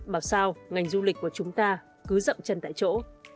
bảo sao ngành du lịch của chúng ta cứ rậm chân tại chỗ